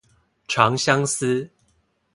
長相思